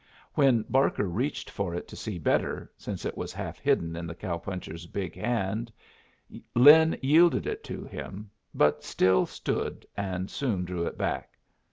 When Barker reached for it to see better, since it was half hidden in the cow puncher's big hand, Lin yielded it to him, but still stood and soon drew it back.